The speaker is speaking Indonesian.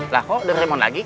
lah kok doraemon lagi